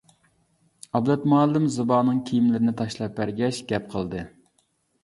ئابلەت مۇئەللىم زىبانىڭ كىيىملىرىنى تاشلاپ بەرگەچ گەپ قىلدى.